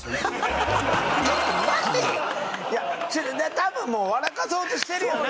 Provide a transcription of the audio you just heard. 多分もう笑かそうとしてるよな